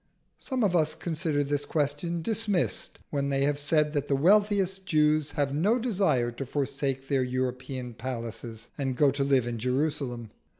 Some of us consider this question dismissed when they have said that the wealthiest Jews have no desire to forsake their European palaces, and go to live in Jerusalem.